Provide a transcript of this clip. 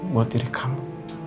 buat diri kamu